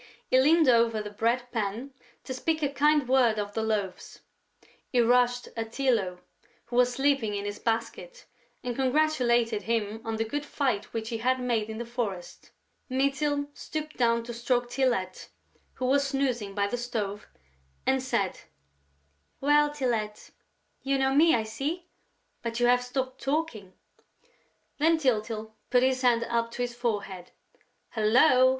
He leaned over the bread pan to speak a kind word to the Loaves; he rushed at Tylô, who was sleeping in his basket, and congratulated him on the good fight which he had made in the forest. Mytyl stooped down to stroke Tylette, who was snoozing by the stove, and said: "Well, Tylette?... You know me, I see, but you have stopped talking." Then Tyltyl put his hand up to his forehead: "Hullo!"